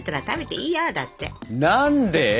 何で？